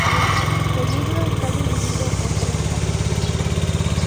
El libro está dividido en tres capítulos.